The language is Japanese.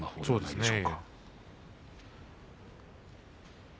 そうですね。